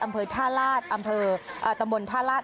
อำเภอท่าลาศอำเภอตำบลท่าลาศ